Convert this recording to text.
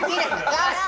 よし！